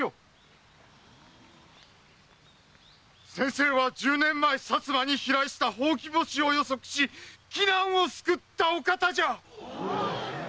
先生は十年前薩摩に飛来したほうき星を予測し危難を救ったお方じゃ‼おぉ！